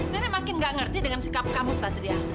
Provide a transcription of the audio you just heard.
nenek makin nggak ngerti dengan sikap kamu satria